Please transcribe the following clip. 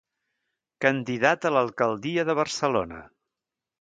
Candidat a l'alcaldia de Barcelona.